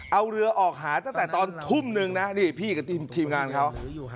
เอาเรือออกหาตั้งแต่ตอนทุ่มนึงนะนี่พี่กับทีมงานเขา